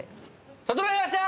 整いました！